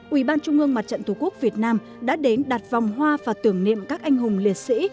ủy ban trung ương mặt trận tổ quốc việt nam đã đến đặt vòng hoa và tưởng niệm các anh hùng liệt sĩ